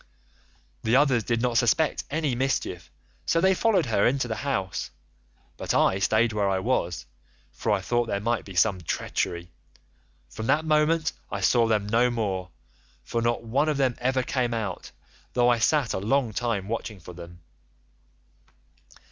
The others did not suspect any mischief so they followed her into the house, but I staid where I was, for I thought there might be some treachery. From that moment I saw them no more, for not one of them ever came out, though I sat a long time watching for them.